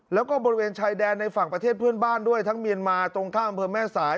แล้วก็บริเวณชายแดนในฝั่งประเทศเพื่อนบ้านด้วยทั้งเมียนมาตรงข้ามอำเภอแม่สาย